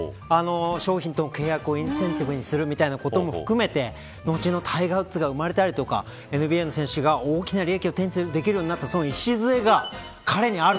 商品との契約をインセンティブにするみたいなことも含めて後のタイガー・ウッズが生まれたりとかＮＢＡの選手が大きな利益を手にするようになった礎が彼にある。